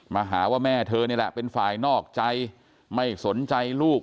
มาหาว่าแม่เธอนี่แหละเป็นฝ่ายนอกใจไม่สนใจลูก